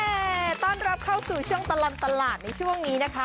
แต่ต้อนรับเข้าสู่ช่วงตลอดตลาดในช่วงนี้นะคะ